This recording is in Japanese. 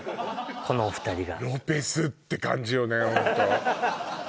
このお二人がロペスって感じよね